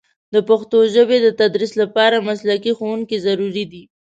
د پښتو ژبې د تدریس لپاره مسلکي ښوونکي ضروري دي.